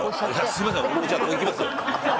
すいません俺もじゃあここ行きますわ。